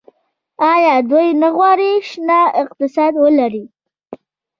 آیا دوی نه غواړي شنه اقتصاد ولري؟